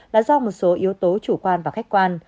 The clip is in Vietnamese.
là do một số yếu tố chủ quan và khách quan